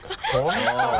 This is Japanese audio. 本当だ！